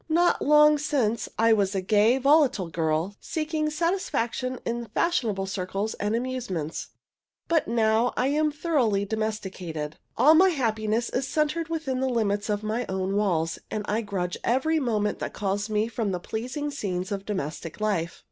Not long since, I was a gay, volatile girl, seeking satisfaction in fashionable circles and amusements; but now I am thoroughly domesticated. All my happiness is centred within the limits of my own walls, and I grudge every moment that calls me from the pleasing scenes of domestic life.